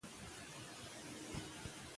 د سوداګرو امنیت به ساتل کیږي.